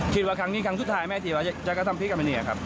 คิดว่าครั้งนี้ครั้งสุดท้ายไม่อาจจะทำพิกับมันอย่างนี้หรือครับ